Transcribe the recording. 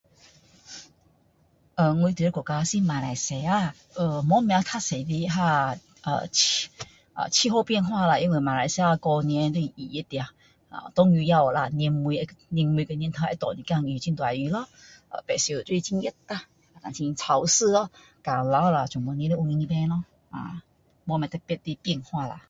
我住的国家是马来西亚呃没有什么比较多的气候变化啦因为马来西亚就是热热的呀下雨也有啦年头会下一点雨很大平常的时候就是很热啦很潮湿咯汗流了没有什么特别的气候啦